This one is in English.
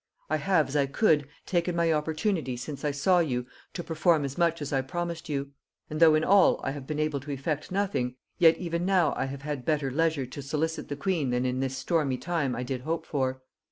"I have, as I could, taken my opportunity since I saw you to perform as much as I promised you; and though in all I have been able to effect nothing, yet even now I have had better leisure to solicit the queen than in this stormy time I did hope for.